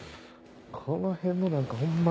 この辺のなんかホンマ